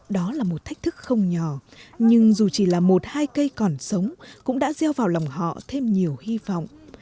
đó là một thách thức không nhỏ nhưng dù chỉ là một hai cây còn sống cũng đã gieo vào lòng họ thêm nhiều hy vọng